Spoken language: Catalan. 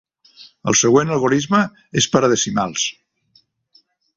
El següent algorisme és per a decimals.